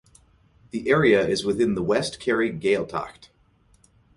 The area is within the West Kerry Gaeltacht.